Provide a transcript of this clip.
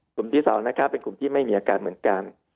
กลุ่มที่๒เป็นกลุ่มที่ไม่มีอาการเหมือนกัน